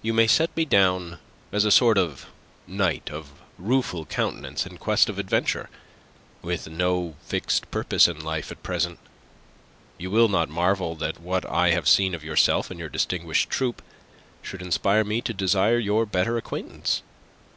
"You may set me down as a sort of knight of rueful countenance in quest of adventure, with no fixed purpose in life at present. You will not marvel that what I have seen of yourself and your distinguished troupe should inspire me to desire your better acquaintance.